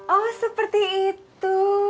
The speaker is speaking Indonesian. oh seperti itu